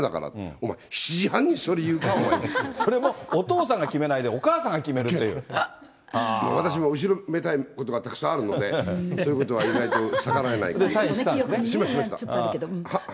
お前、７時半に、それ言それもお父さんが決めないで、私も、後ろめたいことがたくさんあるので、そういうことは意外と逆らえないので。